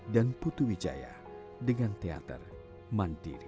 dan putu wijaya dengan teater mandiri